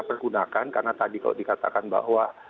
pergunakan karena tadi kalau dikatakan bahwa